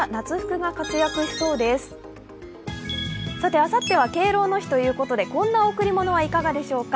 あさっては敬老の日ということでこんな贈り物はいかがでしょうか。